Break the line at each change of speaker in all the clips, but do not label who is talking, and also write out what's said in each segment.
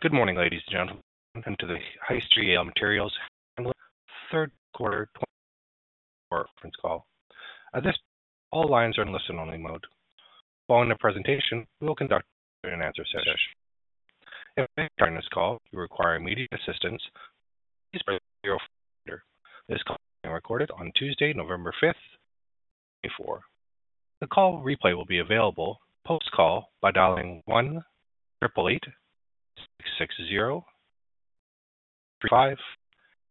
Good morning, ladies and gentlemen, and welcome to the Hyster-Yale Materials Handling third quarter conference call. At this point, all lines are in listen-only mode. Following the presentation, we will conduct a question-and-answer session. If at any time during this call you require immediate assistance, please press star zero. This call is being recorded on Tuesday, November 5th, 2024. The call replay will be available post-call by dialing 1-888-660-335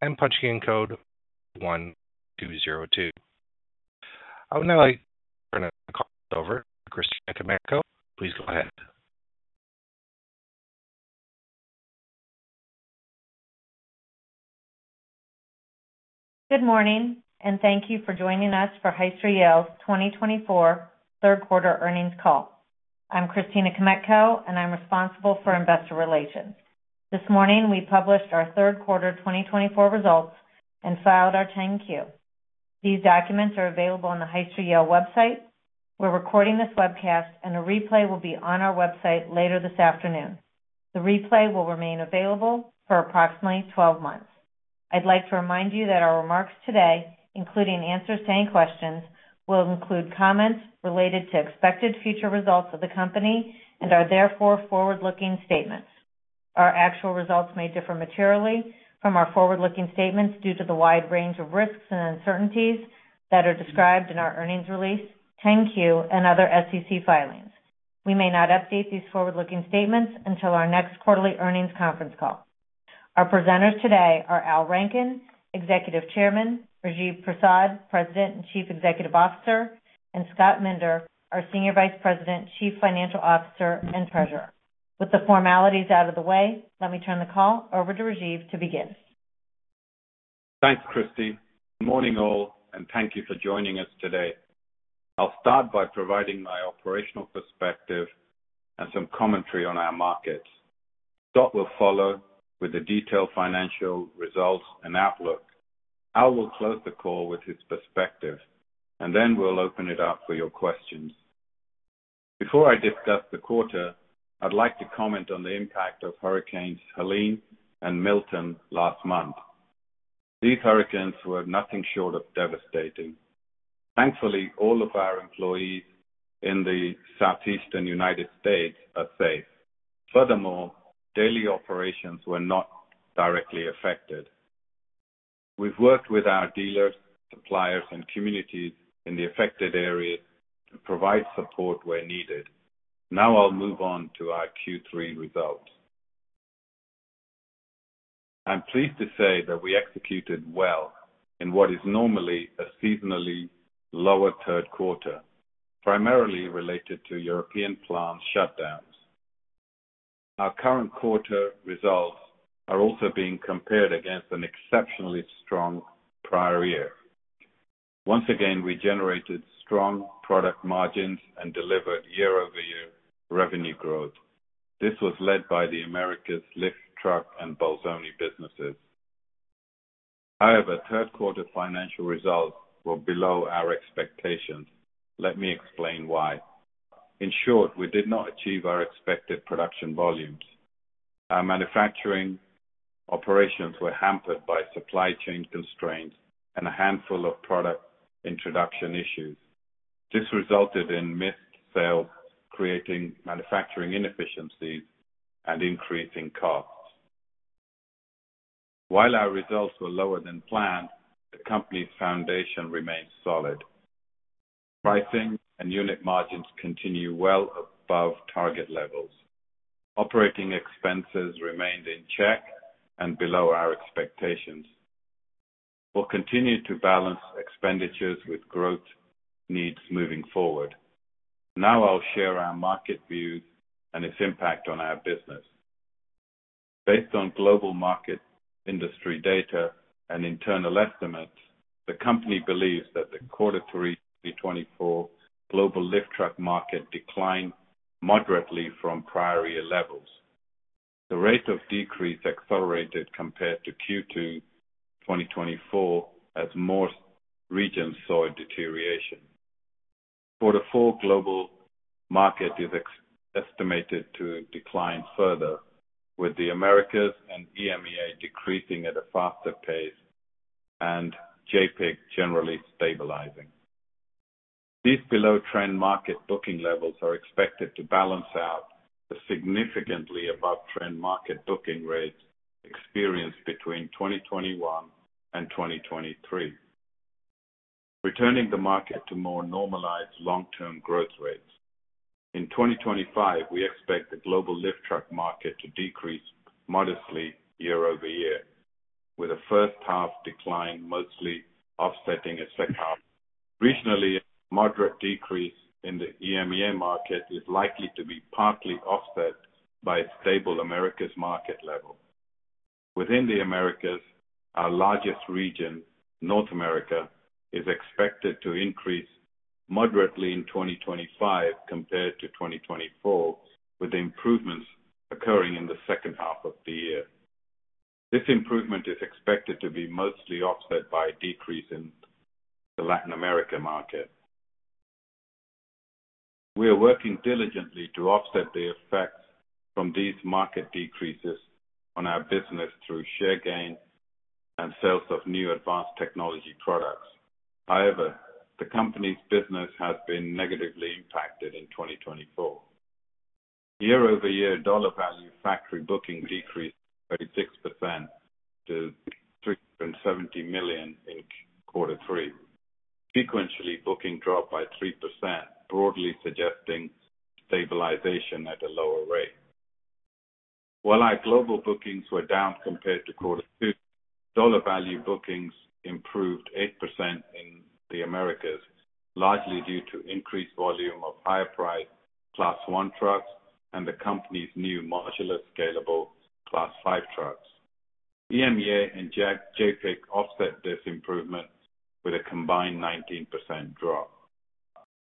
and punching in code 1202. I would now like to turn the call over to Christina Kmetko. Please go ahead.
Good morning, and thank you for joining us for Hyster-Yale's 2024 third quarter earnings call. I'm Christina Kmetko, and I'm responsible for investor relations. This morning, we published our third quarter 2024 results and filed our 10-Q. These documents are available on the Hyster-Yale website. We're recording this webcast, and a replay will be on our website later this afternoon. The replay will remain available for approximately 12 months. I'd like to remind you that our remarks today, including answers to any questions, will include comments related to expected future results of the company and are therefore forward-looking statements. Our actual results may differ materially from our forward-looking statements due to the wide range of risks and uncertainties that are described in our earnings release, 10-Q, and other SEC filings. We may not update these forward-looking statements until our next quarterly earnings conference call. Our presenters today are Al Rankin, Executive Chairman, Rajiv Prasad, President and Chief Executive Officer, and Scott Minder, our Senior Vice President, Chief Financial Officer, and Treasurer. With the formalities out of the way, let me turn the call over to Rajiv to begin.
Thanks, Christina. Good morning, all, and thank you for joining us today. I'll start by providing my operational perspective and some commentary on our markets. Scott will follow with the detailed financial results and outlook. Al will close the call with his perspective, and then we'll open it up for your questions. Before I discuss the quarter, I'd like to comment on the impact of Hurricanes Helene and Milton last month. These hurricanes were nothing short of devastating. Thankfully, all of our employees in the southeastern United States are safe. Furthermore, daily operations were not directly affected. We've worked with our dealers, suppliers, and communities in the affected areas to provide support where needed. Now I'll move on to our Q3 results. I'm pleased to say that we executed well in what is normally a seasonally lower third quarter, primarily related to European plants' shutdowns. Our current quarter results are also being compared against an exceptionally strong prior year. Once again, we generated strong product margins and delivered year-over-year revenue growth. This was led by the Americas lift truck and Balzoni businesses. However, third quarter financial results were below our expectations. Let me explain why. In short, we did not achieve our expected production volumes. Our manufacturing operations were hampered by supply chain constraints and a handful of product introduction issues. This resulted in missed sales, creating manufacturing inefficiencies and increasing costs. While our results were lower than planned, the company's foundation remained solid. Pricing and unit margins continue well above target levels. Operating expenses remained in check and below our expectations. We'll continue to balance expenditures with growth needs moving forward. Now I'll share our market views and its impact on our business. Based on global market industry data and internal estimates, the company believes that the quarter three 2024 global lift truck market declined moderately from prior year levels. The rate of decrease accelerated compared to Q2 2024, as more regions saw a deterioration. Quarter four global market is estimated to decline further, with the Americas and EMEA decreasing at a faster pace and JAPIC generally stabilizing. These below-trend market booking levels are expected to balance out the significantly above-trend market booking rates experienced between 2021 and 2023, returning the market to more normalized long-term growth rates. In 2025, we expect the global lift truck market to decrease modestly year-over-year, with a first-half decline mostly offsetting a second-half. Regionally, a moderate decrease in the EMEA market is likely to be partly offset by a stable Americas market level. Within the Americas, our largest region, North America, is expected to increase moderately in 2025 compared to 2024, with improvements occurring in the second half of the year. This improvement is expected to be mostly offset by a decrease in the Latin America market. We are working diligently to offset the effects from these market decreases on our business through share gain and sales of new advanced technology products. However, the company's business has been negatively impacted in 2024. Year-over-year dollar value factory booking decreased 36% to $370 million in quarter three. Sequentially, booking dropped by 3%, broadly suggesting stabilization at a lower rate. While our global bookings were down compared to quarter two, dollar value bookings improved 8% in the Americas, largely due to increased volume of higher-priced Class 1 trucks and the company's new modular scalable Class 5 trucks. EMEA and JAPIC offset this improvement with a combined 19% drop.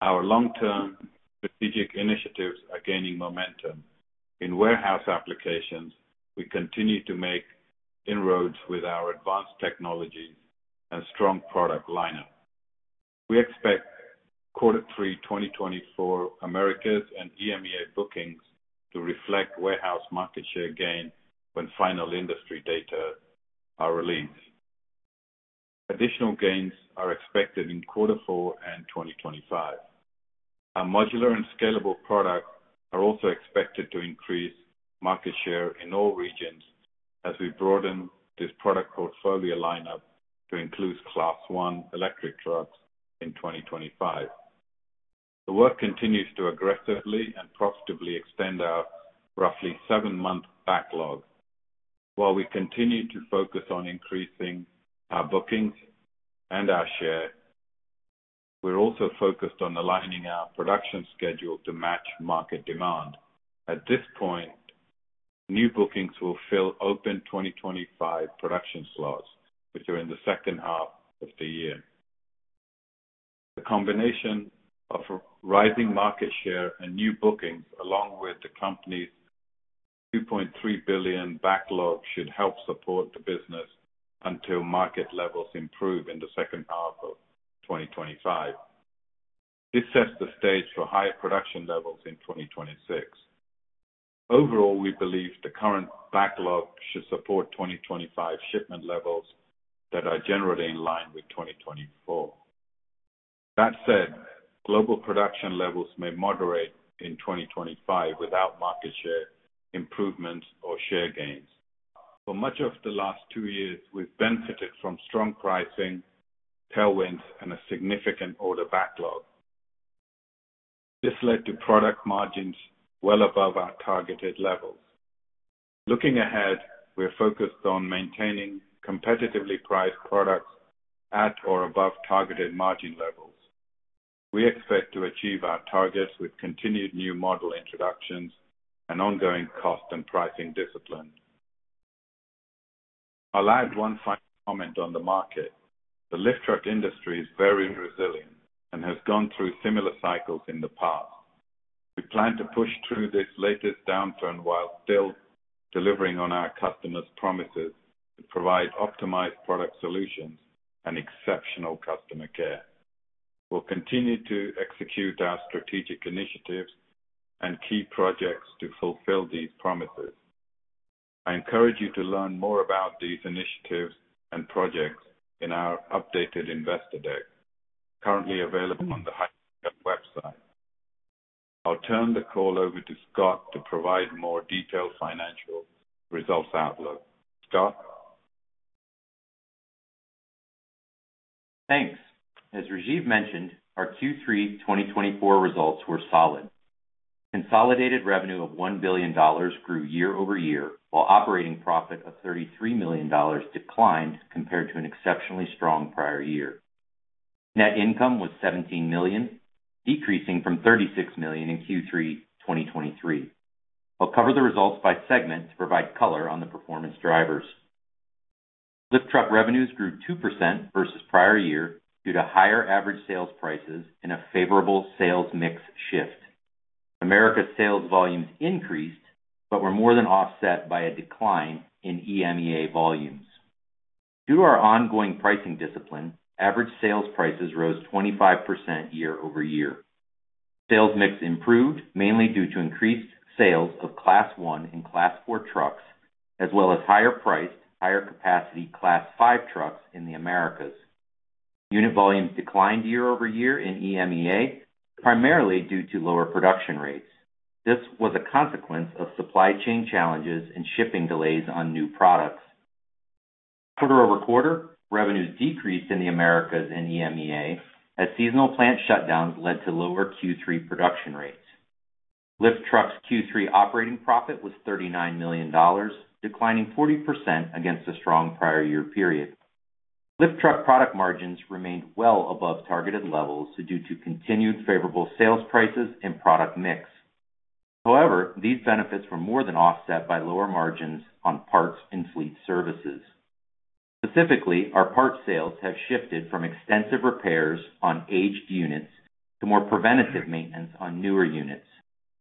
Our long-term strategic initiatives are gaining momentum. In warehouse applications, we continue to make inroads with our advanced technologies and strong product lineup. We expect quarter three 2024 Americas and EMEA bookings to reflect warehouse market share gain when final industry data are released. Additional gains are expected in quarter four and 2025. Our modular and scalable products are also expected to increase market share in all regions as we broaden this product portfolio lineup to include Class 1 electric trucks in 2025. The work continues to aggressively and profitably extend our roughly seven-month backlog. While we continue to focus on increasing our bookings and our share, we're also focused on aligning our production schedule to match market demand. At this point, new bookings will fill open 2025 production slots, which are in the second half of the year. The combination of rising market share and new bookings, along with the company's $2.3 billion backlog, should help support the business until market levels improve in the second half of 2025. This sets the stage for higher production levels in 2026. Overall, we believe the current backlog should support 2025 shipment levels that are generally in line with 2024. That said, global production levels may moderate in 2025 without market share improvements or share gains. For much of the last two years, we've benefited from strong pricing, tailwinds, and a significant order backlog. This led to product margins well above our targeted levels. Looking ahead, we're focused on maintaining competitively priced products at or above targeted margin levels. We expect to achieve our targets with continued new model introductions and ongoing cost and pricing discipline. I'll add one final comment on the market. The lift truck industry is very resilient and has gone through similar cycles in the past. We plan to push through this latest downturn while still delivering on our customers' promises to provide optimized product solutions and exceptional customer care. We'll continue to execute our strategic initiatives and key projects to fulfill these promises. I encourage you to learn more about these initiatives and projects in our updated investor deck, currently available on the Hyster-Yale website. I'll turn the call over to Scott to provide more detailed financial results outlook. Scott?
Thanks. As Rajiv mentioned, our Q3 2024 results were solid. Consolidated revenue of $1 billion grew year-over-year, while operating profit of $33 million declined compared to an exceptionally strong prior year. Net income was $17 million, decreasing from $36 million in Q3 2023. I'll cover the results by segment to provide color on the performance drivers. Lift truck revenues grew 2% versus prior year due to higher average sales prices and a favorable sales mix shift. Americas' sales volumes increased but were more than offset by a decline in EMEA volumes. Due to our ongoing pricing discipline, average sales prices rose 25% year-over-year. Sales mix improved mainly due to increased sales of Class 1 and Class 4 trucks, as well as higher-priced, higher-capacity Class 5 trucks in the Americas. Unit volumes declined year-over-year in EMEA, primarily due to lower production rates. This was a consequence of supply chain challenges and shipping delays on new products. Quarter over quarter, revenues decreased in the Americas and EMEA, as seasonal plant shutdowns led to lower Q3 production rates. Lift trucks' Q3 operating profit was $39 million, declining 40% against a strong prior year period. Lift truck product margins remained well above targeted levels due to continued favorable sales prices and product mix. However, these benefits were more than offset by lower margins on parts and fleet services. Specifically, our parts sales have shifted from extensive repairs on aged units to more preventative maintenance on newer units.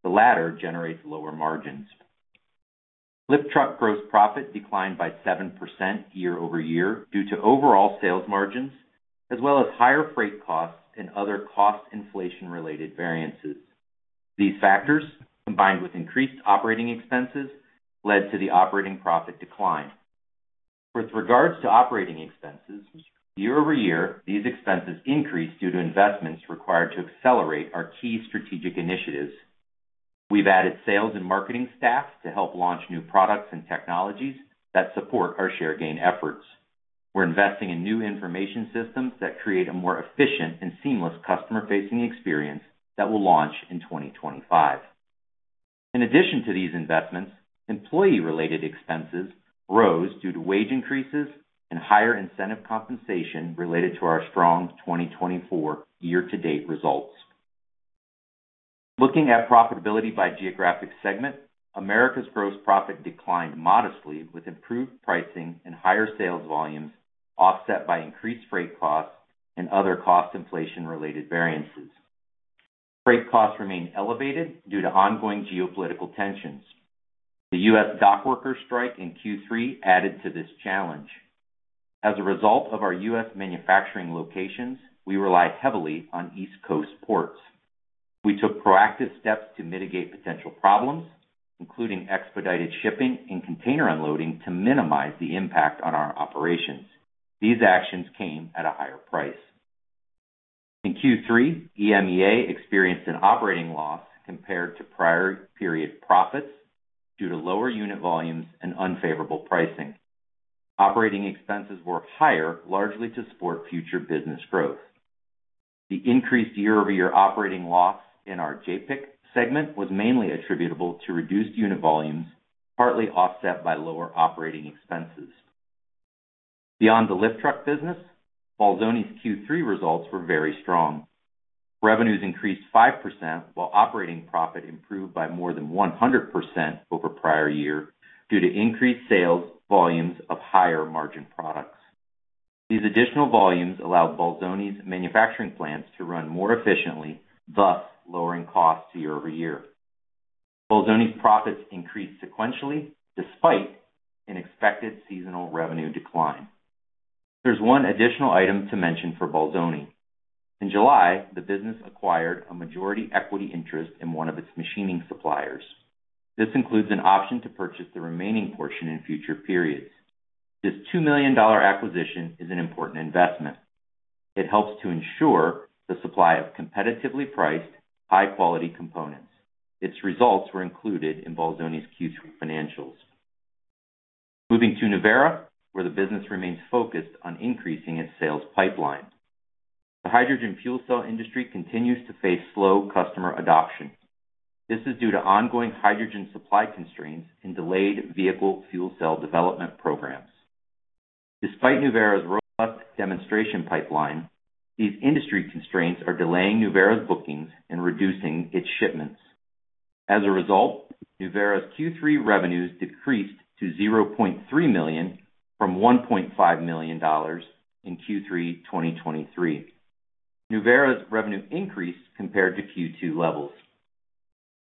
The latter generates lower margins. Lift truck gross profit declined by 7% year-over-year due to overall sales margins, as well as higher freight costs and other cost inflation-related variances. These factors, combined with increased operating expenses, led to the operating profit decline. With regards to operating expenses, year-over-year, these expenses increased due to investments required to accelerate our key strategic initiatives. We've added sales and marketing staff to help launch new products and technologies that support our share gain efforts. We're investing in new information systems that create a more efficient and seamless customer-facing experience that will launch in 2025. In addition to these investments, employee-related expenses rose due to wage increases and higher incentive compensation related to our strong 2024 year-to-date results. Looking at profitability by geographic segment, Americas gross profit declined modestly with improved pricing and higher sales volumes offset by increased freight costs and other cost inflation-related variances. Freight costs remain elevated due to ongoing geopolitical tensions. The U.S. dockworker strike in Q3 added to this challenge. As a result of our U.S. manufacturing locations, we rely heavily on East Coast ports. We took proactive steps to mitigate potential problems, including expedited shipping and container unloading, to minimize the impact on our operations. These actions came at a higher price. In Q3, EMEA experienced an operating loss compared to prior period profits due to lower unit volumes and unfavorable pricing. Operating expenses were higher, largely to support future business growth. The increased year-over-year operating loss in our JAPIC segment was mainly attributable to reduced unit volumes, partly offset by lower operating expenses. Beyond the lift truck business, Balzoni's Q3 results were very strong. Revenues increased 5%, while operating profit improved by more than 100% over prior year due to increased sales volumes of higher margin products. These additional volumes allowed Balzoni's manufacturing plants to run more efficiently, thus lowering costs year-over-year. Balzoni's profits increased sequentially despite an expected seasonal revenue decline. There's one additional item to mention for Balzoni. In July, the business acquired a majority equity interest in one of its machining suppliers. This includes an option to purchase the remaining portion in future periods. This $2 million acquisition is an important investment. It helps to ensure the supply of competitively priced, high-quality components. Its results were included in Balzoni's Q3 financials. Moving to Nuvera, where the business remains focused on increasing its sales pipeline. The hydrogen fuel cell industry continues to face slow customer adoption. This is due to ongoing hydrogen supply constraints and delayed vehicle fuel cell development programs. Despite Nuvera's robust demonstration pipeline, these industry constraints are delaying Nuvera's bookings and reducing its shipments. As a result, Nuvera's Q3 revenues decreased to $0.3 million from $1.5 million in Q3 2023. Nuvera's revenue increased compared to Q2 levels.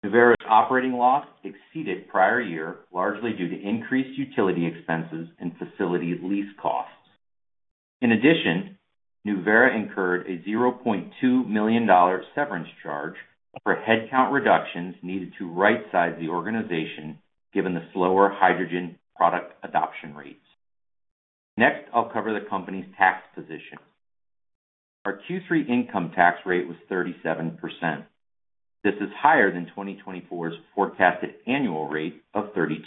Nuvera's operating loss exceeded prior year, largely due to increased utility expenses and facility lease costs. In addition, Nuvera incurred a $0.2 million severance charge for headcount reductions needed to right-size the organization, given the slower hydrogen product adoption rates. Next, I'll cover the company's tax position. Our Q3 income tax rate was 37%. This is higher than 2024's forecasted annual rate of 32%.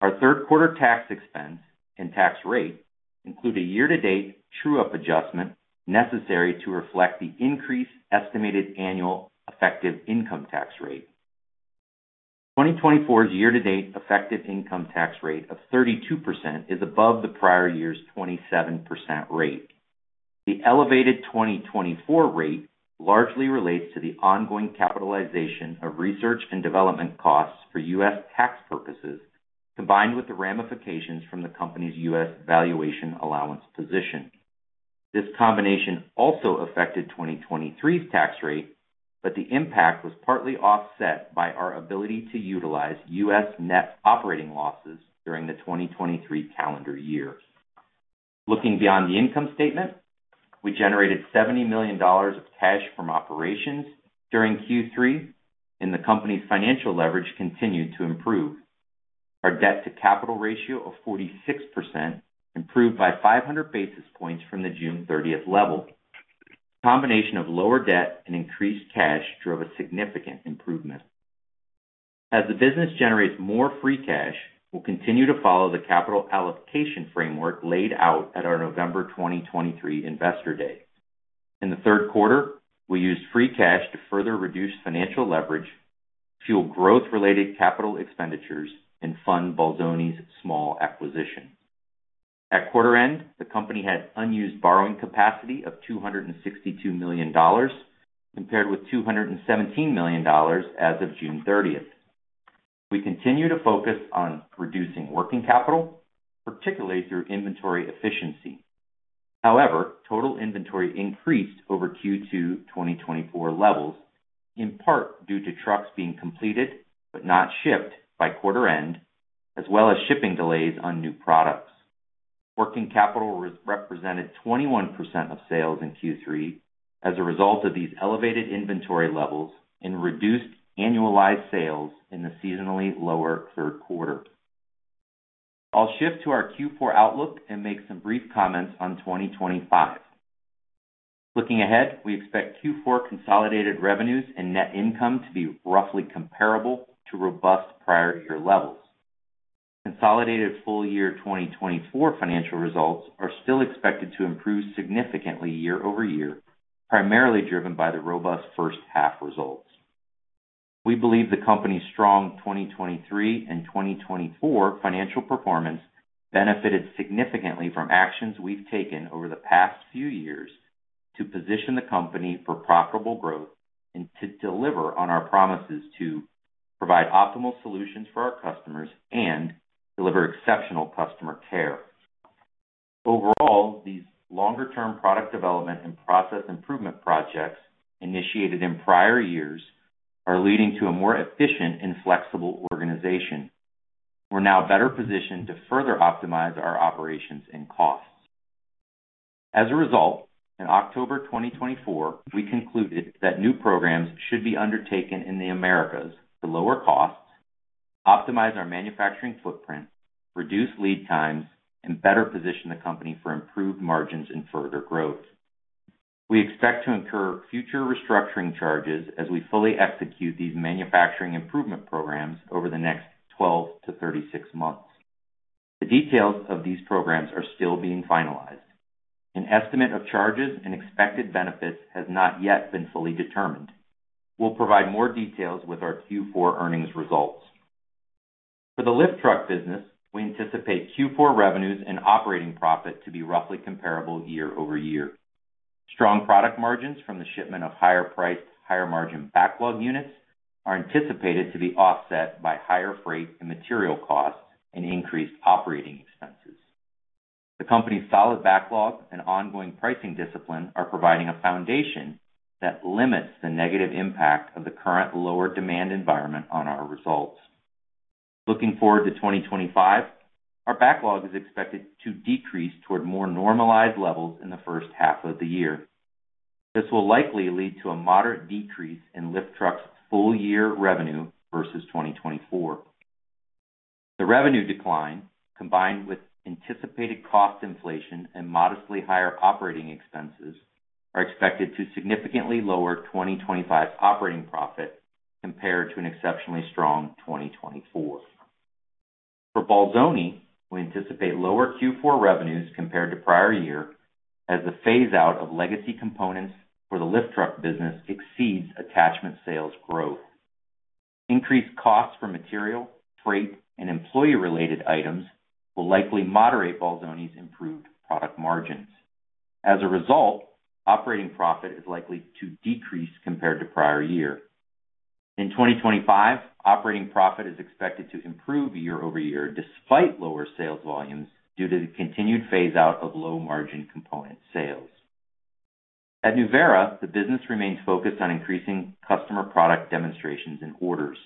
Our third quarter tax expense and tax rate include a year-to-date true-up adjustment necessary to reflect the increased estimated annual effective income tax rate. 2024's year-to-date effective income tax rate of 32% is above the prior year's 27% rate. The elevated 2024 rate largely relates to the ongoing capitalization of research and development costs for U.S. tax purposes, combined with the ramifications from the company's U.S. valuation allowance position. This combination also affected 2023's tax rate, but the impact was partly offset by our ability to utilize U.S. net operating losses during the 2023 calendar year. Looking beyond the income statement, we generated $70 million of cash from operations during Q3, and the company's financial leverage continued to improve. Our debt-to-capital ratio of 46% improved by 500 basis points from the June 30th level. The combination of lower debt and increased cash drove a significant improvement. As the business generates more free cash, we'll continue to follow the capital allocation framework laid out at our November 2023 investor deck. In the third quarter, we used free cash to further reduce financial leverage, fuel growth-related capital expenditures, and fund Balzoni's small acquisition. At quarter end, the company had unused borrowing capacity of $262 million compared with $217 million as of June 30th. We continue to focus on reducing working capital, particularly through inventory efficiency. However, total inventory increased over Q2 2024 levels, in part due to trucks being completed but not shipped by quarter end, as well as shipping delays on new products. Working capital represented 21% of sales in Q3 as a result of these elevated inventory levels and reduced annualized sales in the seasonally lower third quarter. I'll shift to our Q4 outlook and make some brief comments on 2025. Looking ahead, we expect Q4 consolidated revenues and net income to be roughly comparable to robust prior year levels. Consolidated full year 2024 financial results are still expected to improve significantly year-over-year, primarily driven by the robust first half results. We believe the company's strong 2023 and 2024 financial performance benefited significantly from actions we've taken over the past few years to position the company for profitable growth and to deliver on our promises to provide optimal solutions for our customers and deliver exceptional customer care. Overall, these longer-term product development and process improvement projects initiated in prior years are leading to a more efficient and flexible organization. We're now better positioned to further optimize our operations and costs. As a result, in October 2024, we concluded that new programs should be undertaken in the Americas for lower costs, optimize our manufacturing footprint, reduce lead times, and better position the company for improved margins and further growth. We expect to incur future restructuring charges as we fully execute these manufacturing improvement programs over the next 12-36 months. The details of these programs are still being finalized. An estimate of charges and expected benefits has not yet been fully determined. We'll provide more details with our Q4 earnings results. For the lift truck business, we anticipate Q4 revenues and operating profit to be roughly comparable year-over-year. Strong product margins from the shipment of higher-priced, higher-margin backlog units are anticipated to be offset by higher freight and material costs and increased operating expenses. The company's solid backlog and ongoing pricing discipline are providing a foundation that limits the negative impact of the current lower demand environment on our results. Looking forward to 2025, our backlog is expected to decrease toward more normalized levels in the first half of the year. This will likely lead to a moderate decrease in lift trucks' full year revenue versus 2024. The revenue decline, combined with anticipated cost inflation and modestly higher operating expenses, are expected to significantly lower 2025's operating profit compared to an exceptionally strong 2024. For Balzoni, we anticipate lower Q4 revenues compared to prior year as the phase-out of legacy components for the lift truck business exceeds attachment sales growth. Increased costs for material, freight, and employee-related items will likely moderate Balzoni's improved product margins. As a result, operating profit is likely to decrease compared to prior year. In 2025, operating profit is expected to improve year-over-year despite lower sales volumes due to the continued phase-out of low-margin component sales. At Nuvera, the business remains focused on increasing customer product demonstrations and orders.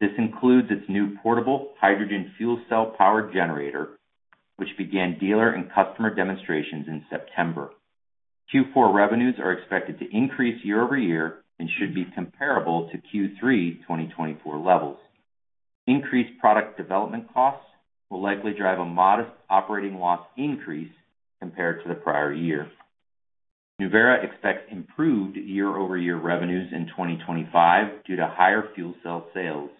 This includes its new portable hydrogen fuel cell power generator, which began dealer and customer demonstrations in September. Q4 revenues are expected to increase year-over-year and should be comparable to Q3 2024 levels. Increased product development costs will likely drive a modest operating loss increase compared to the prior year. Nuvera expects improved year-over-year revenues in 2025 due to higher fuel cell sales.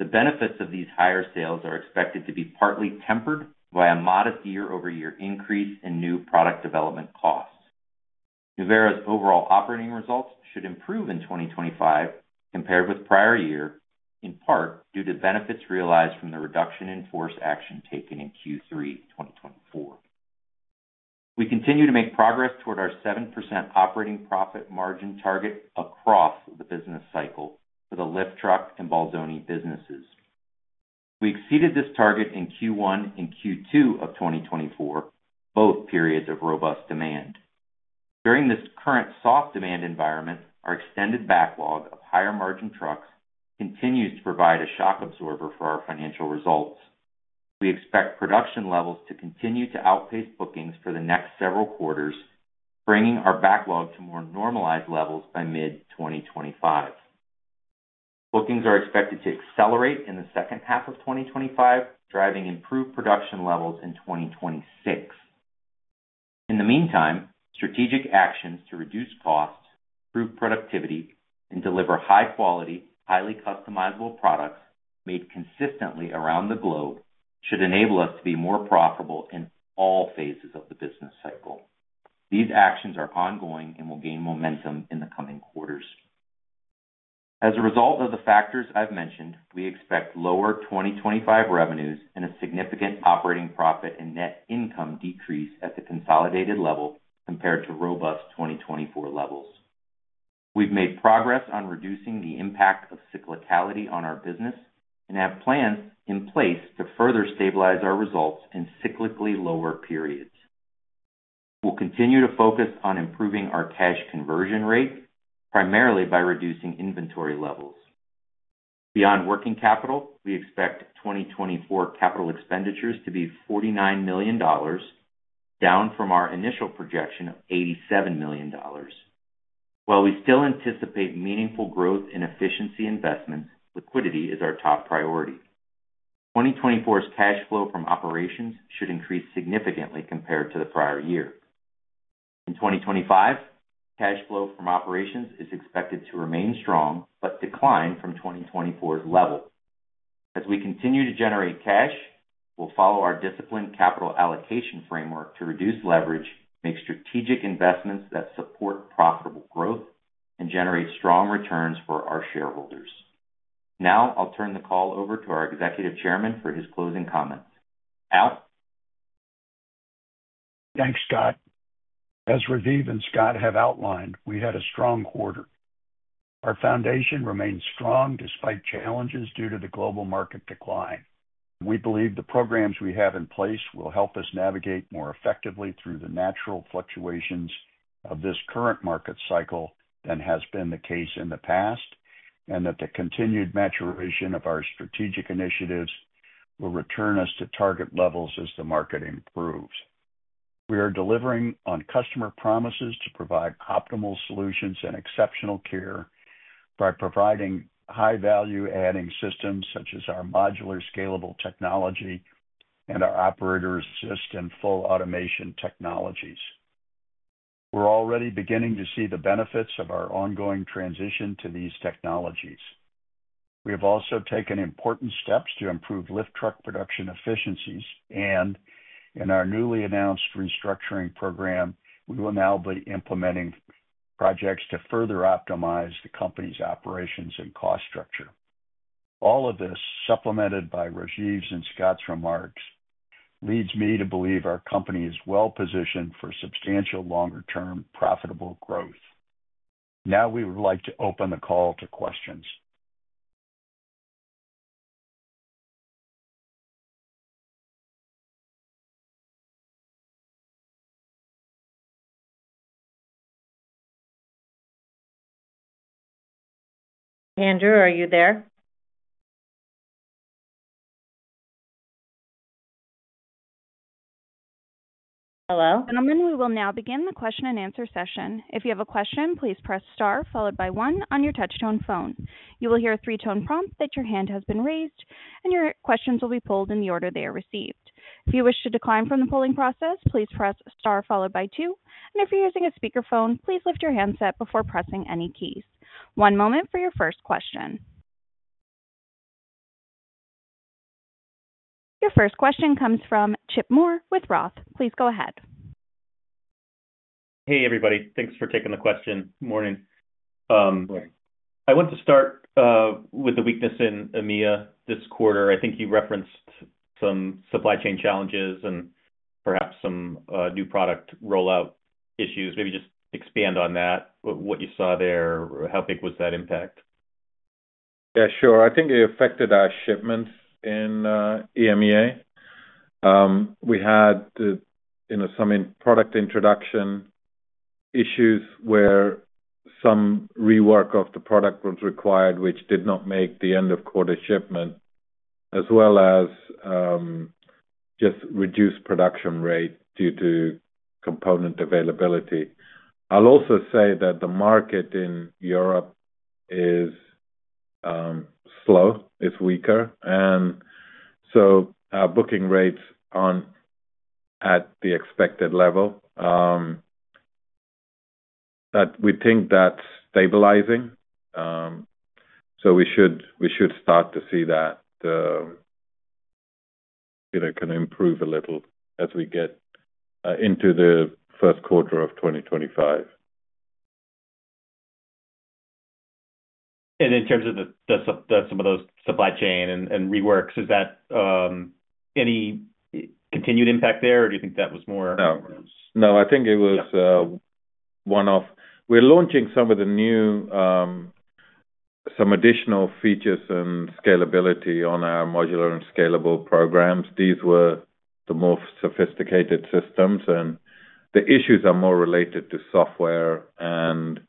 The benefits of these higher sales are expected to be partly tempered by a modest year-over-year increase in new product development costs. Nuvera's overall operating results should improve in 2025 compared with prior year, in part due to benefits realized from the reduction in force action taken in Q3 2024. We continue to make progress toward our 7% operating profit margin target across the business cycle for the lift truck and Balzoni businesses. We exceeded this target in Q1 and Q2 of 2024, both periods of robust demand. During this current soft demand environment, our extended backlog of higher-margin trucks continues to provide a shock absorber for our financial results. We expect production levels to continue to outpace bookings for the next several quarters, bringing our backlog to more normalized levels by mid-2025. Bookings are expected to accelerate in the second half of 2025, driving improved production levels in 2026. In the meantime, strategic actions to reduce costs, improve productivity, and deliver high-quality, highly customizable products made consistently around the globe should enable us to be more profitable in all phases of the business cycle. These actions are ongoing and will gain momentum in the coming quarters. As a result of the factors I've mentioned, we expect lower 2025 revenues and a significant operating profit and net income decrease at the consolidated level compared to robust 2024 levels. We've made progress on reducing the impact of cyclicality on our business and have plans in place to further stabilize our results in cyclically lower periods. We'll continue to focus on improving our cash conversion rate, primarily by reducing inventory levels. Beyond working capital, we expect 2024 capital expenditures to be $49 million, down from our initial projection of $87 million. While we still anticipate meaningful growth in efficiency investments, liquidity is our top priority. 2024's cash flow from operations should increase significantly compared to the prior year. In 2025, cash flow from operations is expected to remain strong but decline from 2024's level. As we continue to generate cash, we'll follow our disciplined capital allocation framework to reduce leverage, make strategic investments that support profitable growth, and generate strong returns for our shareholders. Now, I'll turn the call over to our Executive Chairman for his closing comments. Al.
Thanks, Scott. As Rajiv and Scott have outlined, we had a strong quarter. Our foundation remains strong despite challenges due to the global market decline. We believe the programs we have in place will help us navigate more effectively through the natural fluctuations of this current market cycle than has been the case in the past, and that the continued maturation of our strategic initiatives will return us to target levels as the market improves. We are delivering on customer promises to provide optimal solutions and exceptional care by providing high-value adding systems such as our modular scalable technology and our operator-assist and full automation technologies. We're already beginning to see the benefits of our ongoing transition to these technologies. We have also taken important steps to improve lift truck production efficiencies, and in our newly announced restructuring program, we will now be implementing projects to further optimize the company's operations and cost structure. All of this, supplemented by Rajiv's and Scott's remarks, leads me to believe our company is well-positioned for substantial longer-term profitable growth. Now, we would like to open the call to questions. Andrew, are you there? Hello?
Gentlemen, we will now begin the question-and-answer session. If you have a question, please press star followed by one on your touch-tone phone. You will hear a three-tone prompt that your hand has been raised, and your questions will be pulled in the order they are received. If you wish to decline from the polling process, please press star followed by two. And if you're using a speakerphone, please lift your handset before pressing any keys. One moment for your first question. Your first question comes from Chip Moore with Roth. Please go ahead.
Hey, everybody. Thanks for taking the question. Good morning. I want to start with the weakness in EMEA this quarter. I think you referenced some supply chain challenges and perhaps some new product rollout issues. Maybe just expand on that, what you saw there. How big was that impact?
Yeah, sure. I think it affected our shipments in EMEA. We had some product introduction issues where some rework of the product was required, which did not make the end-of-quarter shipment, as well as just reduced production rate due to component availability. I'll also say that the market in Europe is slow, is weaker, and so our booking rates aren't at the expected level. We think that's stabilizing, so we should start to see that it can improve a little as we get into the first quarter of 2025.
And in terms of some of those supply chain and reworks, is that any continued impact there, or do you think that was more?
No. No, I think it was one-off. We're launching some of the new additional features and scalability on our modular and scalable programs. These were the more sophisticated systems, and the issues are more related to software and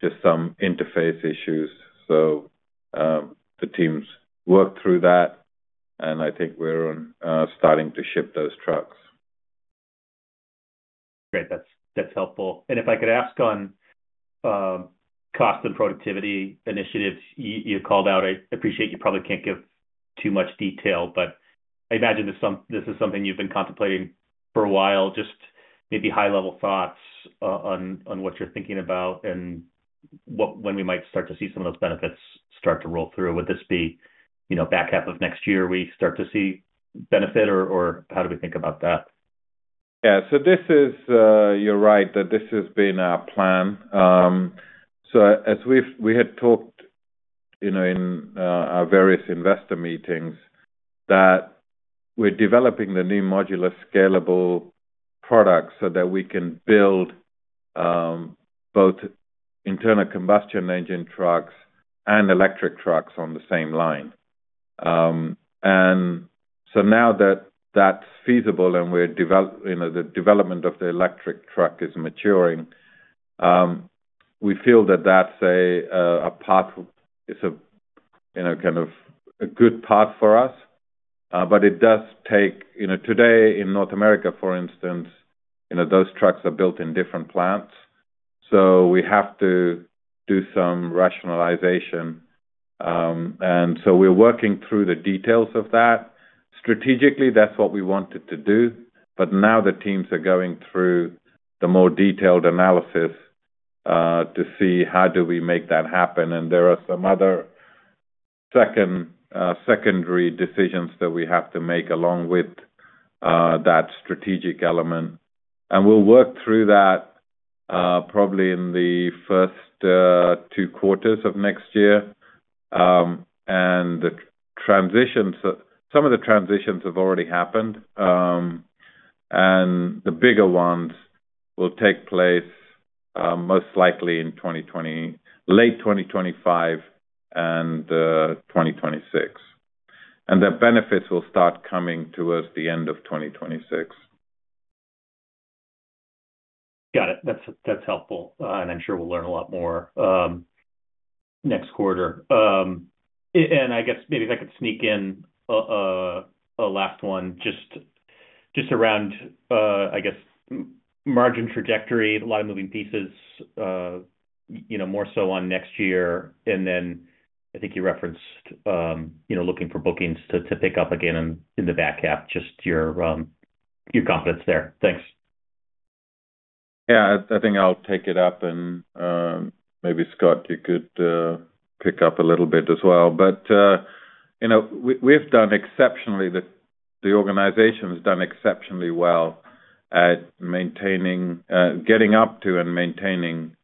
just some interface issues. So the teams worked through that, and I think we're starting to ship those trucks.
Great. That's helpful. And if I could ask on cost and productivity initiatives, you called out. I appreciate you probably can't give too much detail, but I imagine this is something you've been contemplating for a while, just maybe high-level thoughts on what you're thinking about and when we might start to see some of those benefits start to roll through. Would this be back half of next year we start to see benefit, or how do we think about that?
Yeah. So you're right that this has been our plan. So as we had talked in our various investor meetings, that we're developing the new modular scalable product so that we can build both internal combustion engine trucks and electric trucks on the same line. And so now that that's feasible and the development of the electric truck is maturing, we feel that that's a path, it's kind of a good path for us. But it does take today in North America, for instance, those trucks are built in different plants, so we have to do some rationalization. And so we're working through the details of that. Strategically, that's what we wanted to do, but now the teams are going through the more detailed analysis to see how do we make that happen. And there are some other secondary decisions that we have to make along with that strategic element. And we'll work through that probably in the first two quarters of next year. And some of the transitions have already happened, and the bigger ones will take place most likely in late 2025 and 2026. And the benefits will start coming towards the end of 2026.
Got it. That's helpful. And I'm sure we'll learn a lot more next quarter. And I guess maybe if I could sneak in a last one just around, I guess, margin trajectory, a lot of moving pieces, more so on next year. And then I think you referenced looking for bookings to pick up again in the back half, just your confidence there. Thanks.
Yeah. I think I'll take it up, and maybe Scott, you could pick up a little bit as well. But we've done exceptionally the organization has done exceptionally well at getting up to and maintaining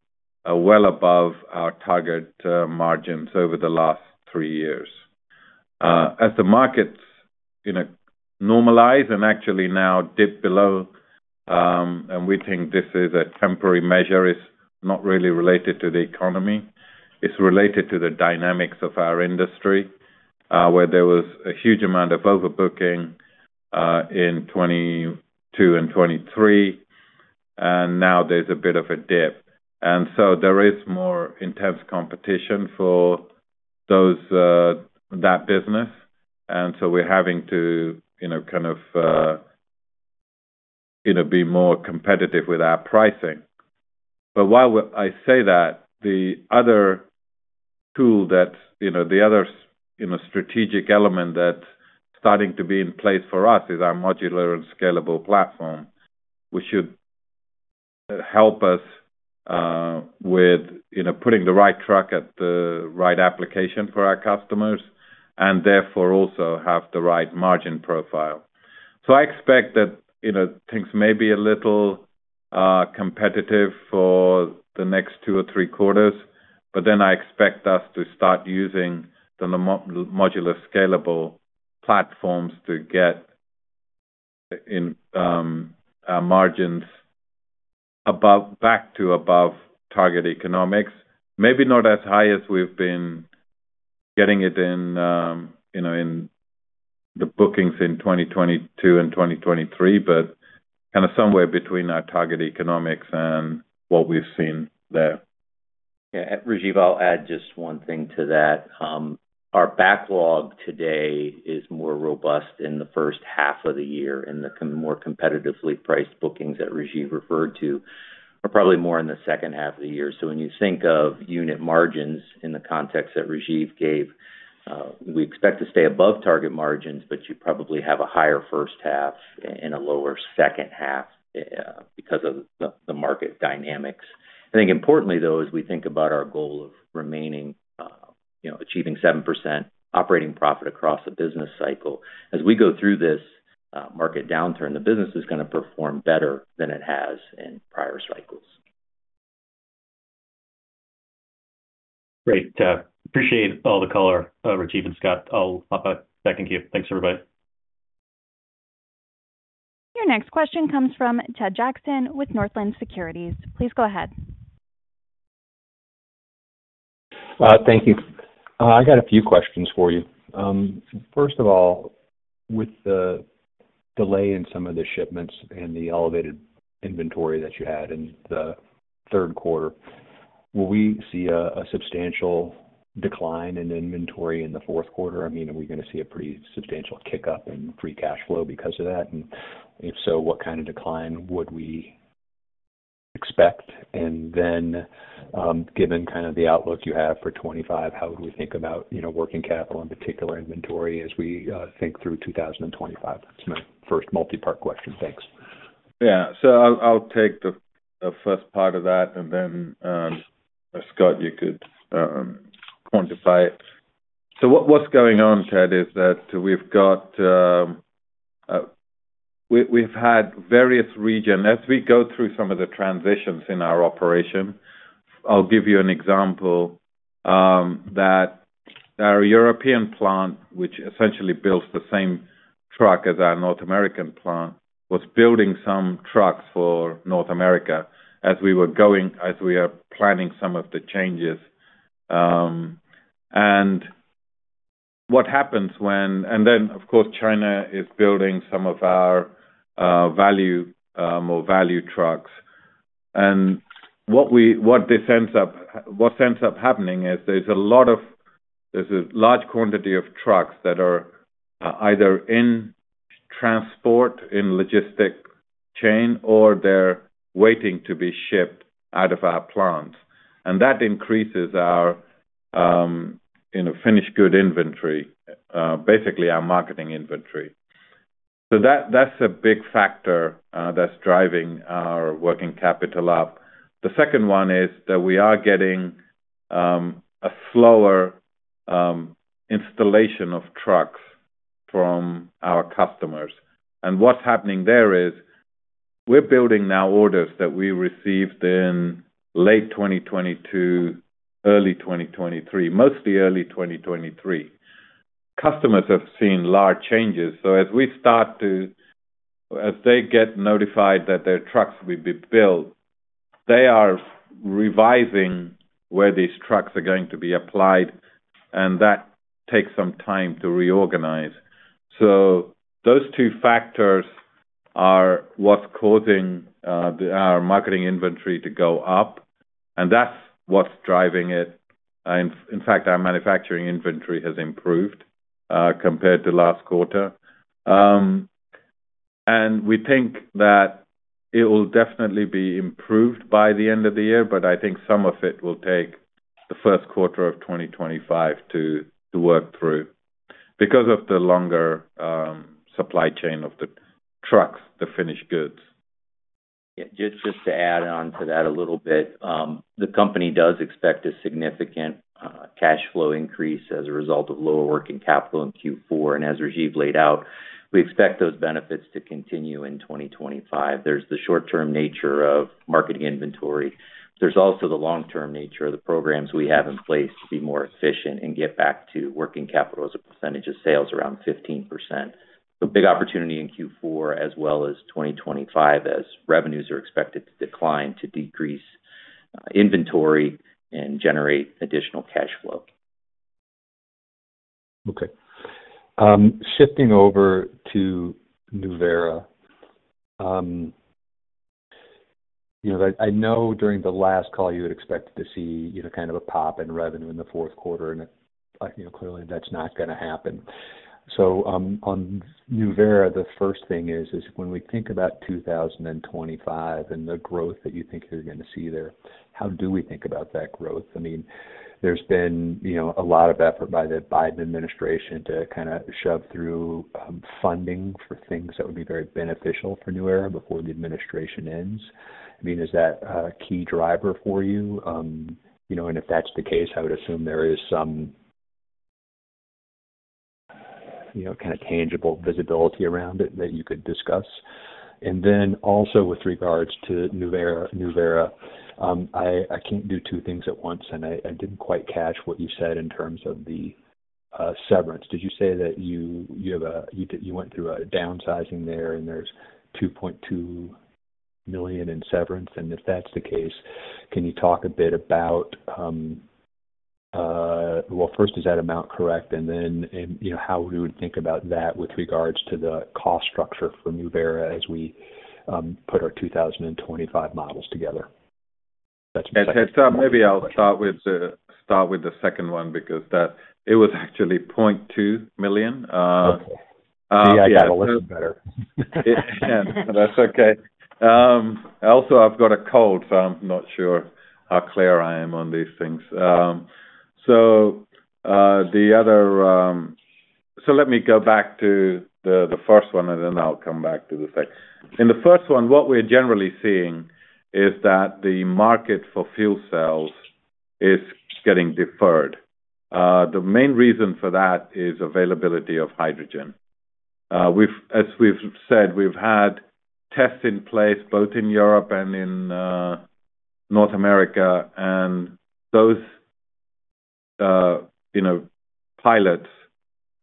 well above our target margins over the last three years. As the markets normalize and actually now dip below, and we think this is a temporary measure, it's not really related to the economy. It's related to the dynamics of our industry where there was a huge amount of overbooking in 2022 and 2023, and now there's a bit of a dip. And so there is more intense competition for that business, and so we're having to kind of be more competitive with our pricing. But while I say that, the other tool that the other strategic element that's starting to be in place for us is our modular and scalable platform, which should help us with putting the right truck at the right application for our customers and therefore also have the right margin profile. So I expect that things may be a little competitive for the next two or three quarters, but then I expect us to start using the modular scalable platforms to get our margins back to above target economics. Maybe not as high as we've been getting it in the bookings in 2022 and 2023, but kind of somewhere between our target economics and what we've seen there.
Yeah. Rajiv, I'll add just one thing to that. Our backlog today is more robust in the first half of the year, and the more competitively priced bookings that Rajiv referred to are probably more in the second half of the year. So when you think of unit margins in the context that Rajiv gave, we expect to stay above target margins, but you probably have a higher first half and a lower second half because of the market dynamics. I think importantly, though, as we think about our goal of achieving 7% operating profit across the business cycle, as we go through this market downturn, the business is going to perform better than it has in prior cycles.
Great. Appreciate all the color, Rajiv and Scott. I'll pop back in here. Thanks, everybody.
Your next question comes from Ted Jackson with Northland Securities. Please go ahead.
Thank you. I got a few questions for you. First of all, with the delay in some of the shipments and the elevated inventory that you had in the third quarter, will we see a substantial decline in inventory in the fourth quarter? I mean, are we going to see a pretty substantial kick-up in free cash flow because of that? And if so, what kind of decline would we expect? And then given kind of the outlook you have for 2025, how would we think about working capital and particular inventory as we think through 2025? That's my first multi-part question. Thanks.
Yeah. So I'll take the first part of that, and then Scott, you could quantify it. So what's going on, Ted, is that we've had various regions. As we go through some of the transitions in our operation, I'll give you an example that our European plant, which essentially builds the same truck as our North American plant, was building some trucks for North America as we were planning some of the changes. And then, of course, China is building some of our value trucks. And what this ends up happening is there's a large quantity of trucks that are either in transport, in logistics chain, or they're waiting to be shipped out of our plants. And that increases our finished goods inventory, basically our market inventory. So that's a big factor that's driving our working capital up. The second one is that we are getting a slower installation of trucks from our customers. What's happening there is we're building now orders that we received in late 2022, early 2023, mostly early 2023. Customers have seen large changes. So as they get notified that their trucks will be built, they are revising where these trucks are going to be applied, and that takes some time to reorganize. So those two factors are what's causing our marketed inventory to go up, and that's what's driving it. In fact, our manufacturing inventory has improved compared to last quarter. We think that it will definitely be improved by the end of the year, but I think some of it will take the first quarter of 2025 to work through because of the longer supply chain of the trucks, the finished goods.
Yeah. Just to add on to that a little bit, the company does expect a significant cash flow increase as a result of lower working capital in Q4, and as Rajiv laid out, we expect those benefits to continue in 2025. There's the short-term nature of managing inventory. There's also the long-term nature of the programs we have in place to be more efficient and get back to working capital as a percentage of sales around 15%. So, big opportunity in Q4 as well as 2025 as revenues are expected to decline, to decrease inventory and generate additional cash flow.
Okay. Shifting over to Nuvera, I know during the last call you had expected to see kind of a pop in revenue in the fourth quarter, and clearly that's not going to happen. So on Nuvera, the first thing is when we think about 2025 and the growth that you think you're going to see there, how do we think about that growth? I mean, there's been a lot of effort by the Biden administration to kind of shove through funding for things that would be very beneficial for Nuvera before the administration ends. I mean, is that a key driver for you? And if that's the case, I would assume there is some kind of tangible visibility around it that you could discuss. And then also with regards to Nuvera, I can't do two things at once, and I didn't quite catch what you said in terms of the severance. Did you say that you went through a downsizing there and there's $2.2 million in severance? And if that's the case, can you talk a bit about, well, first, is that amount correct? And then how would we think about that with regards to the cost structure for Nuvera as we put our 2025 models together?
If that's what you're saying. Maybe I'll start with the second one because it was actually $0.2 million.
Okay. Yeah. I got a little better.
That's okay. Also, I've got a cold, so I'm not sure how clear I am on these things. So let me go back to the first one, and then I'll come back to the second. In the first one, what we're generally seeing is that the market for fuel cells is getting deferred. The main reason for that is availability of hydrogen. As we've said, we've had tests in place both in Europe and in North America, and those pilots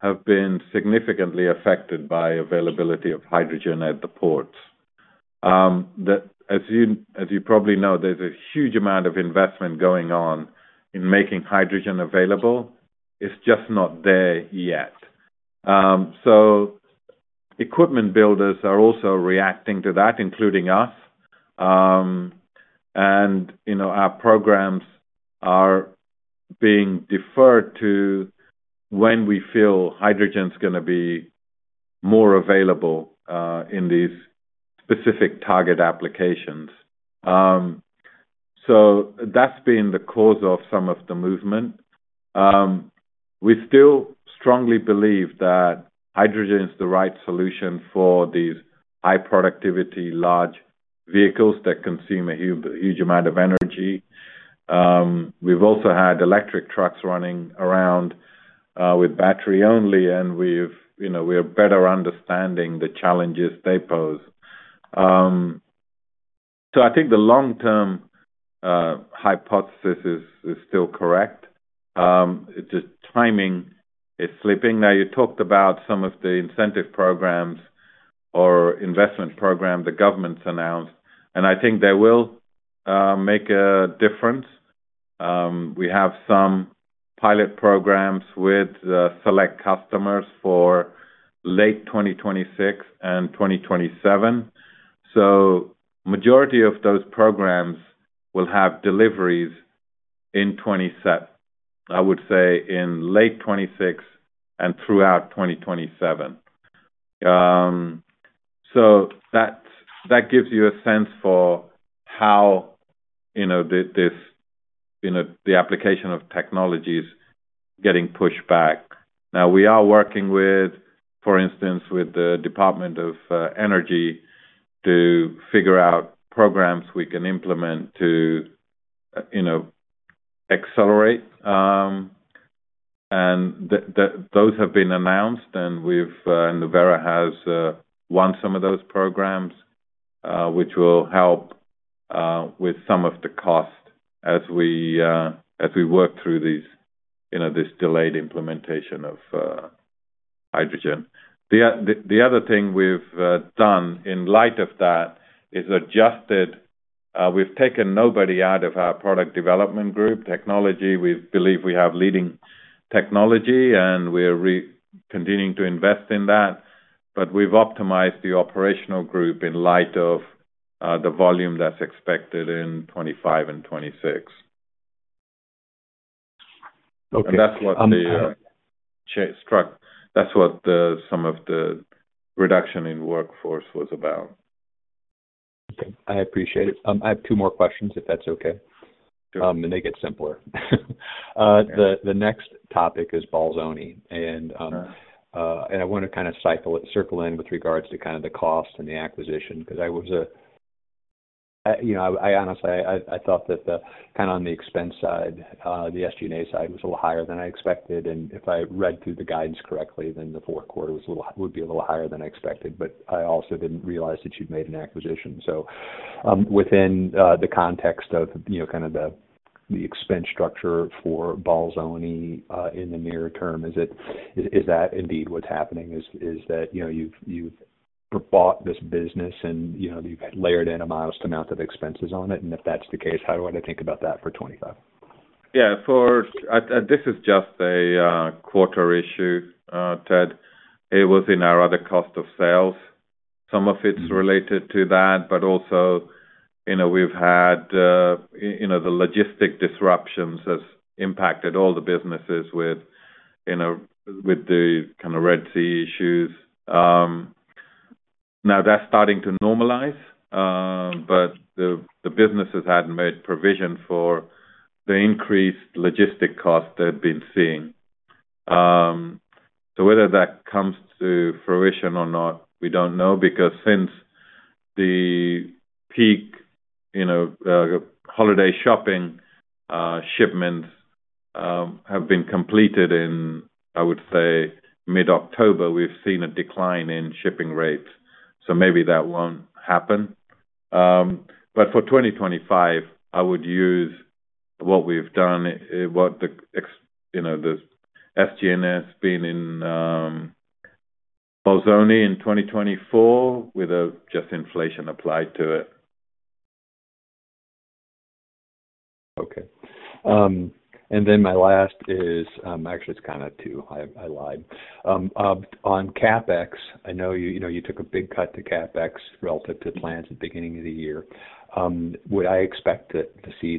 have been significantly affected by availability of hydrogen at the ports. As you probably know, there's a huge amount of investment going on in making hydrogen available. It's just not there yet. So equipment builders are also reacting to that, including us. And our programs are being deferred to when we feel hydrogen's going to be more available in these specific target applications. So that's been the cause of some of the movement. We still strongly believe that hydrogen is the right solution for these high-productivity large vehicles that consume a huge amount of energy. We've also had electric trucks running around with battery only, and we're better understanding the challenges they pose. So I think the long-term hypothesis is still correct. The timing is slipping. Now, you talked about some of the incentive programs or investment programs the government's announced, and I think they will make a difference. We have some pilot programs with select customers for late 2026 and 2027. So the majority of those programs will have deliveries in 2027, I would say in late 2026 and throughout 2027. So that gives you a sense for how the application of technology is getting pushed back. Now, we are working with, for instance, with the Department of Energy to figure out programs we can implement to accelerate. And those have been announced, and Nuvera has won some of those programs, which will help with some of the cost as we work through this delayed implementation of hydrogen. The other thing we've done in light of that is adjusted. We've taken nobody out of our product development group technology. We believe we have leading technology, and we're continuing to invest in that. But we've optimized the operational group in light of the volume that's expected in 2025 and 2026. And that's the restructuring. That's what some of the reduction in workforce was about.
Okay. I appreciate it. I have two more questions if that's okay. And they get simpler. The next topic is Balzoni. And I want to kind of circle in with regards to kind of the cost and the acquisition because I was, I honestly, I thought that kind of on the expense side, the SG&A side was a little higher than I expected. And if I read through the guidance correctly, then the fourth quarter would be a little higher than I expected. But I also didn't realize that you'd made an acquisition. So within the context of kind of the expense structure for Balzoni in the near term, is that indeed what's happening? Is that you've bought this business, and you've layered in a modest amount of expenses on it? And if that's the case, how do I think about that for 2025?
Yeah. This is just a quarter issue, Ted. It was in our other cost of sales. Some of it's related to that, but also we've had the logistic disruptions that's impacted all the businesses with the kind of Red Sea issues. Now, that's starting to normalize, but the businesses hadn't made provision for the increased logistic costs they've been seeing. So whether that comes to fruition or not, we don't know because since the peak holiday shopping shipments have been completed in, I would say, mid-October, we've seen a decline in shipping rates. So maybe that won't happen. But for 2025, I would use what we've done, what the SG&S has been in Balzoni in 2024 with just inflation applied to it.
Okay. And then my last is actually, it's kind of two. I lied. On CapEx, I know you took a big cut to CapEx relative to plans at the beginning of the year. Would I expect to see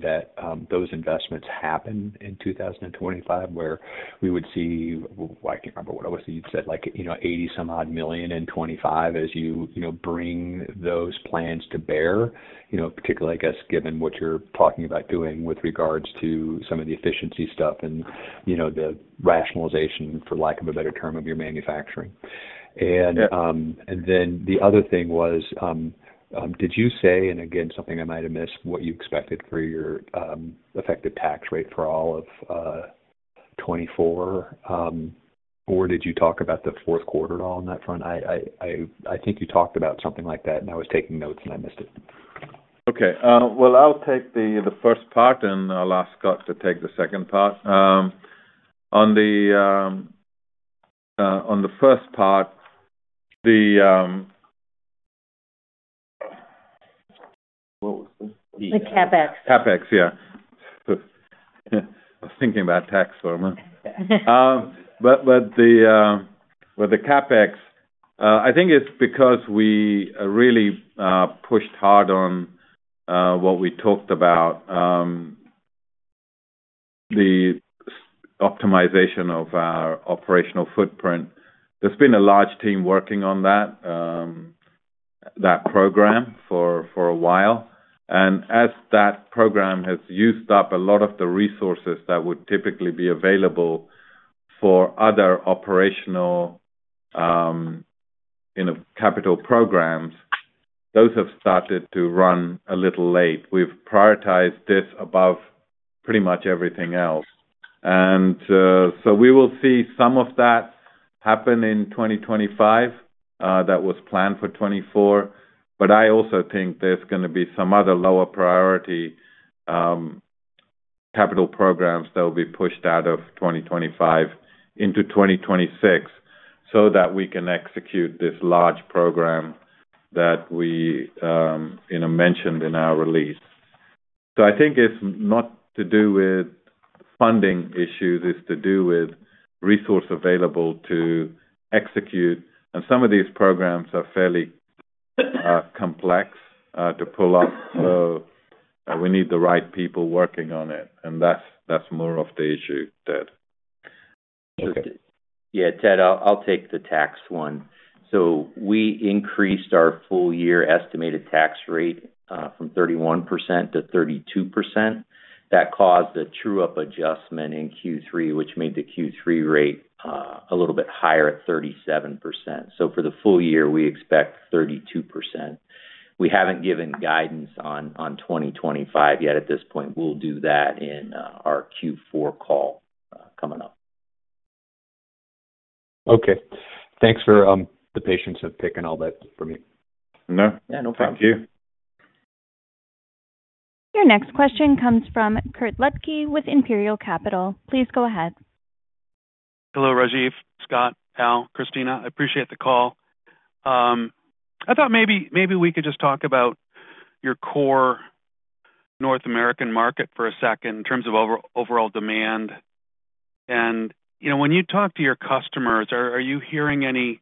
those investments happen in 2025 where we would see—I can't remember what it was that you said—like $80-some-odd million in 2025 as you bring those plans to bear, particularly, I guess, given what you're talking about doing with regards to some of the efficiency stuff and the rationalization, for lack of a better term, of your manufacturing? Then the other thing was, did you say, and again, something I might have missed, what you expected for your effective tax rate for all of 2024, or did you talk about the fourth quarter at all on that front? I think you talked about something like that, and I was taking notes, and I missed it.
Okay. Well, I'll take the first part, and I'll ask Scott to take the second part. On the first part, the, what was this? The CapEx. CapEx, yeah. I was thinking about tax for a moment. But with the CapEx, I think it's because we really pushed hard on what we talked about, the optimization of our operational footprint. There's been a large team working on that program for a while. As that program has used up a lot of the resources that would typically be available for other operational capital programs, those have started to run a little late. We've prioritized this above pretty much everything else. And so we will see some of that happen in 2025. That was planned for 2024. But I also think there's going to be some other lower-priority capital programs that will be pushed out of 2025 into 2026 so that we can execute this large program that we mentioned in our release. So I think it's not to do with funding issues. It's to do with resource available to execute. And some of these programs are fairly complex to pull off. So we need the right people working on it. And that's more of the issue, Ted.
Yeah. Ted, I'll take the tax one. So we increased our full-year estimated tax rate from 31%-32%. That caused a true-up adjustment in Q3, which made the Q3 rate a little bit higher at 37%. So for the full year, we expect 32%. We haven't given guidance on 2025 yet at this point. We'll do that in our Q4 call coming up.
Okay. Thanks for the patience of picking all that for me.
No. Yeah. No problem.
Thank you.
Your next question comes from Kirk Ludtke Imperial Capital. Please go ahead.
Hello, Rajiv, Scott, Al, Christina. I appreciate the call. I thought maybe we could just talk about your core North American market for a second in terms of overall demand. And when you talk to your customers, are you hearing any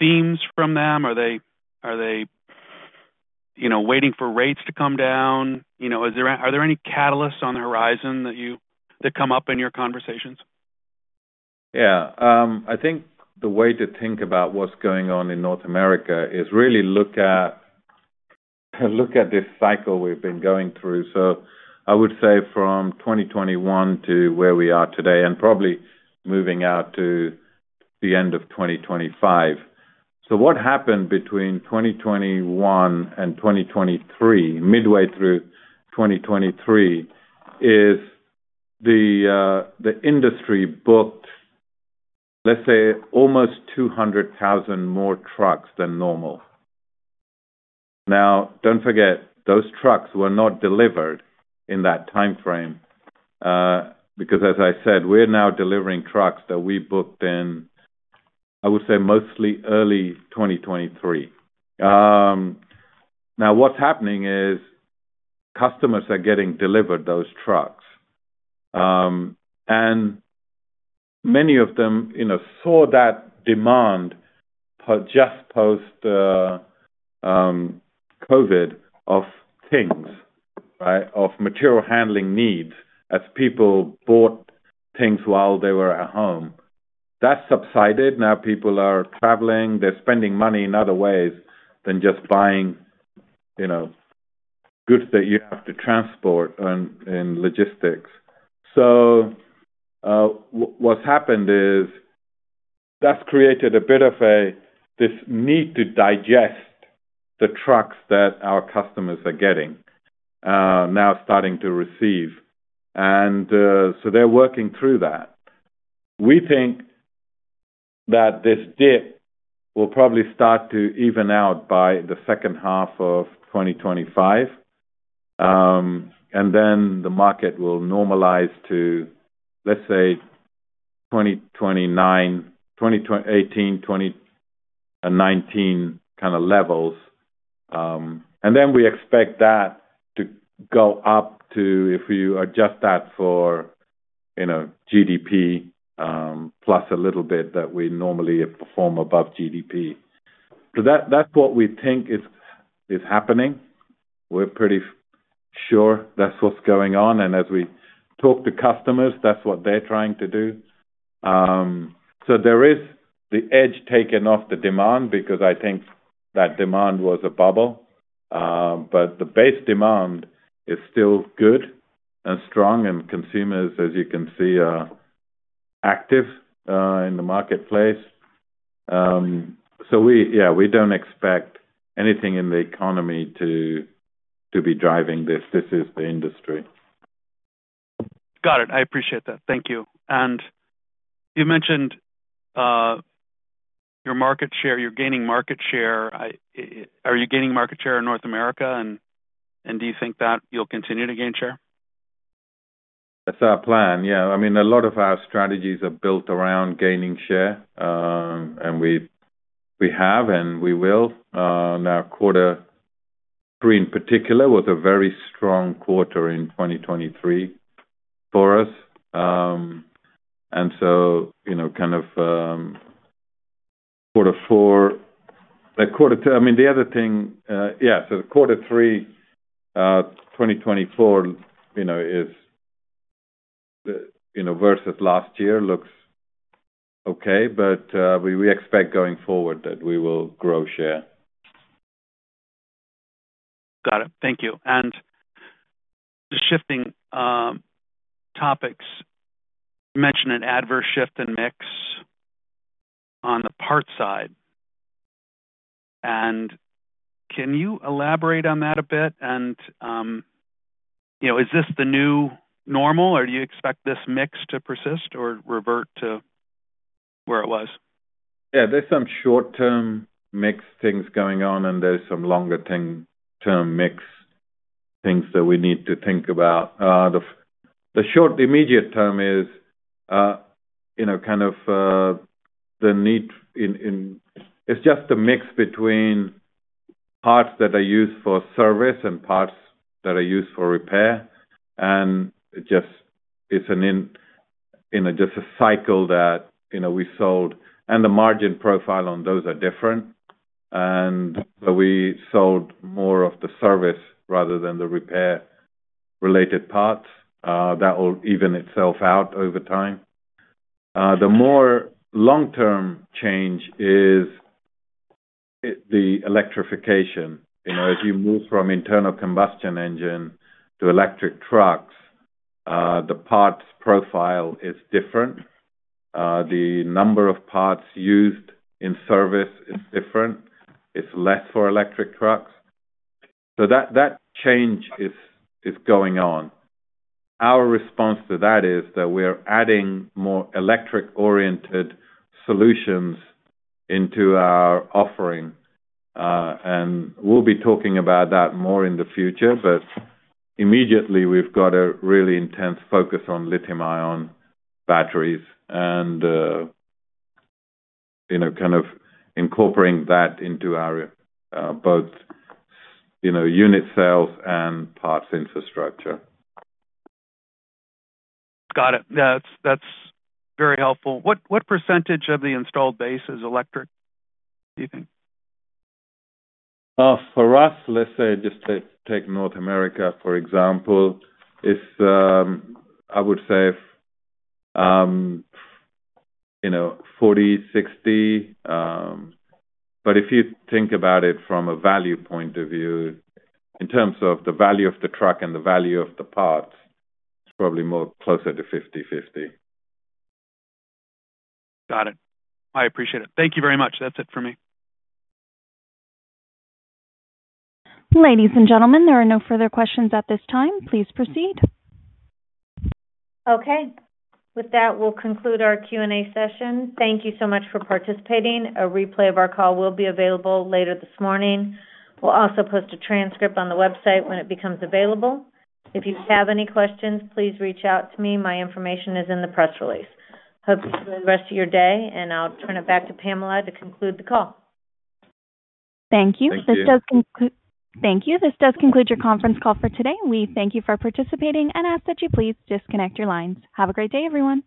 themes from them? Are they waiting for rates to come down? Are there any catalysts on the horizon that come up in your conversations?
Yeah. I think the way to think about what's going on in North America is really look at this cycle we've been going through. So I would say from 2021 to where we are today and probably moving out to the end of 2025. So what happened between 2021 and 2023, midway through 2023, is the industry booked, let's say, almost 200,000 more trucks than normal. Now, don't forget, those trucks were not delivered in that timeframe because, as I said, we're now delivering trucks that we booked in, I would say, mostly early 2023. Now, what's happening is customers are getting delivered those trucks. And many of them saw that demand just post-COVID of things, right, of material handling needs as people bought things while they were at home. That's subsided. Now, people are traveling. They're spending money in other ways than just buying goods that you have to transport and logistics, so what's happened is that's created a bit of this need to digest the trucks that our customers are getting, now starting to receive, and so they're working through that. We think that this dip will probably start to even out by the second half of 2025, and then the market will normalize to, let's say, 2018, 2019 kind of levels, and then we expect that to go up to, if you adjust that for GDP plus a little bit that we normally perform above GDP, so that's what we think is happening. We're pretty sure that's what's going on, and as we talk to customers, that's what they're trying to do, so there is the edge taken off the demand because I think that demand was a bubble. But the base demand is still good and strong. And consumers, as you can see, are active in the marketplace. So yeah, we don't expect anything in the economy to be driving this. This is the industry.
Got it. I appreciate that. Thank you. And you mentioned your market share. You're gaining market share. Are you gaining market share in North America? And do you think that you'll continue to gain share?
That's our plan. Yeah. I mean, a lot of our strategies are built around gaining share. And we have, and we will. Now, quarter three in particular was a very strong quarter in 2023 for us. And so kind of quarter four, quarter two. I mean, the other thing, yeah, so quarter three 2024 is versus last year looks okay. But we expect going forward that we will grow share.
Got it. Thank you. And just shifting topics, you mentioned an adverse shift in mix on the parts side. And can you elaborate on that a bit? And is this the new normal, or do you expect this mix to persist or revert to where it was?
Yeah. There's some short-term mix things going on, and there's some longer-term mix things that we need to think about. The short immediate term is kind of the interim. It's just a mix between parts that are used for service and parts that are used for repair. And it's just a cycle that we saw. And the margin profile on those are different. And so we sold more of the service rather than the repair-related parts. That will even itself out over time. The more long-term change is the electrification. As you move from internal combustion engine to electric trucks, the parts profile is different. The number of parts used in service is different. It's less for electric trucks. So that change is going on. Our response to that is that we're adding more electric-oriented solutions into our offering. And we'll be talking about that more in the future. But immediately, we've got a really intense focus on lithium-ion batteries and kind of incorporating that into our both unit sales and parts infrastructure.
Got it. That's very helpful. What percentage of the installed base is electric, do you think?
For us, let's say, just to take North America, for example, I would say 40, 60. But if you think about it from a value point of view, in terms of the value of the truck and the value of the parts, it's probably more closer to 50/50.
Got it. I appreciate it. Thank you very much. That's it for me.
Ladies and gentlemen, there are no further questions at this time. Please proceed.
Okay. With that, we'll conclude our Q&A session. Thank you so much for participating. A replay of our call will be available later this morning. We'll also post a transcript on the website when it becomes available. If you have any questions, please reach out to me. My information is in the press release. Hope you enjoy the rest of your day. And I'll turn it back to Pamela to conclude the call.
Thank you. This does conclude. Thank you. This does conclude your conference call for today. We thank you for participating and ask that you please disconnect your lines. Have a great day, everyone.